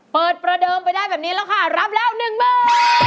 เปิดประเดิมไปได้แบบนี้แล้วค่ะรับแล้ว๑หมื่น